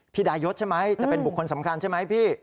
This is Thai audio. ดายศใช่ไหมแต่เป็นบุคคลสำคัญใช่ไหมพี่